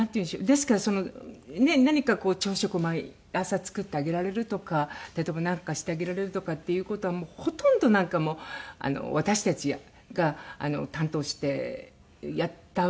ですから何かこう朝食を毎朝作ってあげられるとか例えばなんかしてあげられるとかっていう事はほとんどなんかもう私たちが担当してやったわけですよね。